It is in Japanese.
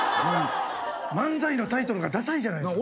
漫才のタイトルがださいじゃないですか。